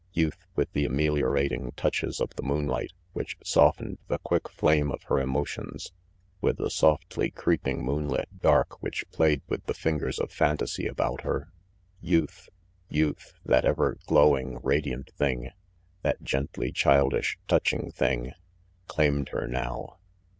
Youth, with the ameliorating touches of the moonlight which softened the quick flame of her emotions, with the softly creeping moonlit dark which played with the fingers of phantasy about her; youth, youth, that ever glowing, radiant thing, that gently childish, touching thing, claimed her now.